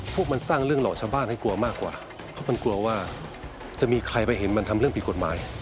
พวกมันสร้างเรื่องหลอกชาวบ้านให้กลัวมากกว่าเพราะมันกลัวว่าจะมีใครไปเห็นมันทำเรื่องผิดกฎหมาย